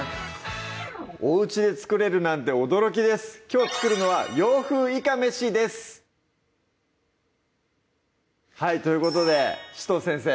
おうちで作れるなんて驚きですきょう作るのは「洋風いかめし」ですはいということで紫藤先生